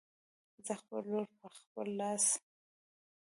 زه خپله لور په خپل لاس